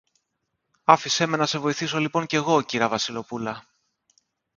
Άφησε με να σε βοηθήσω λοιπόν κι εγώ, κυρα-Βασιλοπούλα.